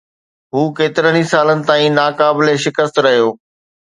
هو ڪيترن ئي سالن تائين ناقابل شڪست رهيو